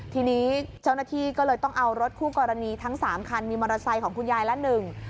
ทีนี้เจ้าหน้าที่ก็เลยต้องเอารถคู่กรณีทั้งสามคันมีมอเตอร์ไซค์ของคุณยายละหนึ่ง